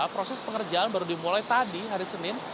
proses pengerjaan baru dimulai tadi hari senin